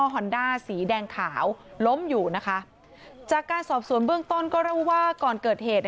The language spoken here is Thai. ฮอนด้าสีแดงขาวล้มอยู่นะคะจากการสอบสวนเบื้องต้นก็เล่าว่าก่อนเกิดเหตุ